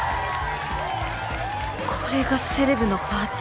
これがセレブのパーティー！？